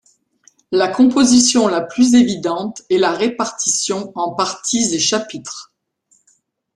La composition la plus évidente est la répartition en parties et chapitres.